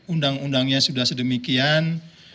undang undangnya sudah sedemikian